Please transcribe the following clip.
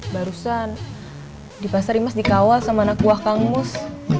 barusan di pasar imas dikawal sama anak gua kang mus